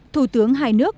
thủ tướng hai nước